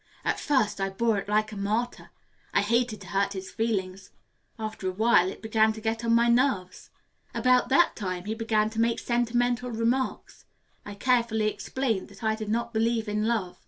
At first I bore it like a martyr. I hated to hurt his feelings. After a while it began to get on my nerves. About that time he began to make sentimental remarks. I carefully explained that I did not believe in love.